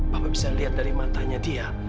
bapak bisa lihat dari matanya dia